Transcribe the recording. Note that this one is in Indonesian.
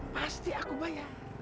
pasti aku bayar